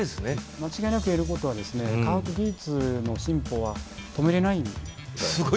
間違いなく言えることは科学技術の進歩は止めれない。